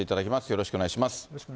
よろしくお願いします。